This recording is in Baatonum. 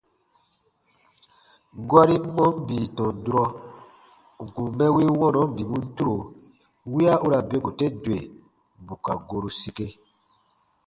Gɔrin mɔɔn bii tɔn durɔ n kùn mɛ win wɔnɔn bibun turo wiya u ra beku te dwe bù ka goru sike.